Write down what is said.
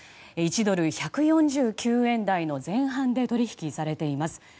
１ドル＝１４９円台の前半で取引されています。